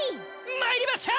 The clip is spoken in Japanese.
まいりましょう！